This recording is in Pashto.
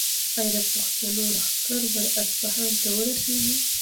ایا د پښتنو لښکر به اصفهان ته ورسیږي؟